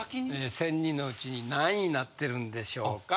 ・１０００人のうちに何位になってるんでしょうか。